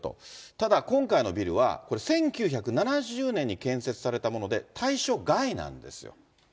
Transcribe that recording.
ただ、今回のビルは、これ１９７０年に建設されたもので、対象外なんですよ。